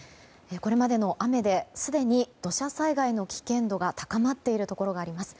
これまでの雨ですでに土砂災害の危険度が高まっているところがあります。